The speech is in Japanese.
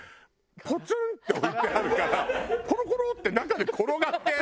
ポツンって置いてあるからコロコロって中で転がって。